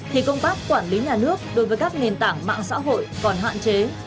thì công tác quản lý nhà nước đối với các nền tảng mạng xã hội còn hạn chế